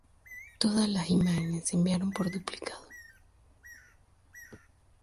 Todas las imágenes se enviaron por duplicado.